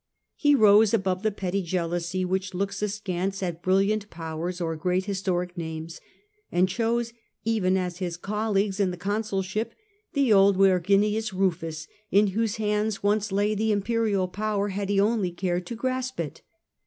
He rose wurre ^' above the petty jealousy which looks askant at sped, brilliant powers or great historic names, and chose even as his colleague in the consulship the old Verginius Rufus, in whose hands once lay the imperial power had he only cared to grasp it.